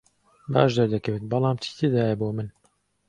باش دەردەکەوێت، بەڵام چی تێدایە بۆ من؟